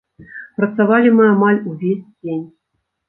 Працавалі мы амаль увесь дзень.